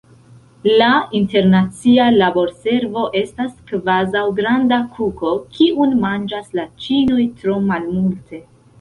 La internacia laborservo estas kvazaŭ granda kuko, kiun manĝas la ĉinoj tro malmulte.